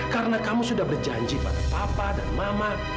karena kamu sudah berjanji pada papa dan mama